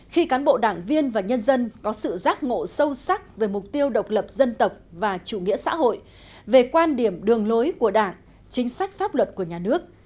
khi cán bộ đảng viên và nhân dân có sự giác ngộ sâu sắc về mục tiêu độc lập dân tộc và chủ nghĩa xã hội về quan điểm đường lối của đảng chính sách pháp luật của nhà nước